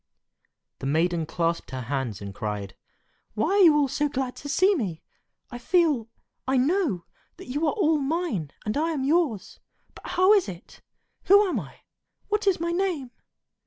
The maiden clasped her hands and cried, "Why are you all so glad to see me? I feel—I know—that you are all mine, and I am yours; but how is it? Who am I? What is my name?"